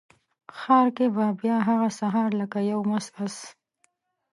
ښار کې به بیا هغه سهار لکه یو مست آس،